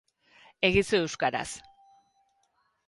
Egizu euskaraz.